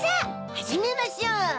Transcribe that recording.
はじめましょう。